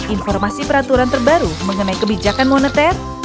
informasi peraturan terbaru mengenai kebijakan moneter